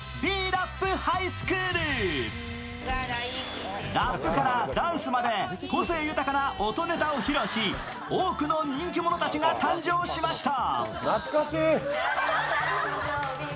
ラップからダンスまで個性豊かな音ネタを披露し、多くの人気者たちが誕生しました。